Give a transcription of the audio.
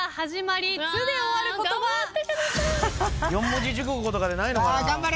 四文字熟語とかでないのかな？